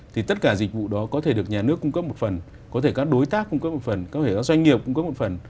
thì tất cả dịch vụ đó có thể được nhà nước cung cấp một phần có thể các đối tác cung cấp một phần có thể các doanh nghiệp cung cấp một phần